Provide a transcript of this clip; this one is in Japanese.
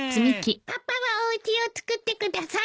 パパはおうちを作ってください。